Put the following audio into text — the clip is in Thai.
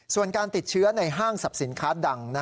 ส่วนการติดเชื้อในห้างสรรพสินค้าดัง